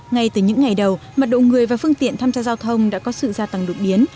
ngay từ những ngày đầu mặt độ người và phương tiện tham gia giao thông đã có sự gia tăng đột biến